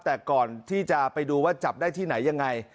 แต่ก่อนที่จะไปดูว่าจับได้ที่ไหนยังไง